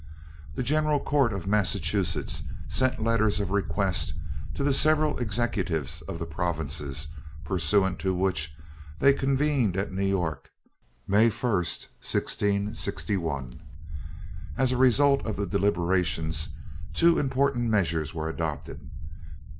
The general court of Massachusetts sent letters of request to the several executives of the provinces, pursuant to which, they convened at New York, May 1st, 1661. As the result of the deliberations, two important measures were adopted.